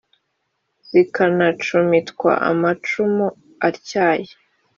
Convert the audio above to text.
zikanacumitwa amacumu atyaye